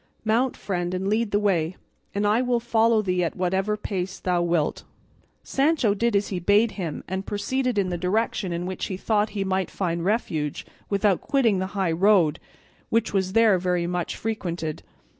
Mount, friend, and lead the way, and I will follow thee at whatever pace thou wilt." Sancho did as he bade him, and proceeded in the direction in which he thought he might find refuge without quitting the high road, which was there very much frequented.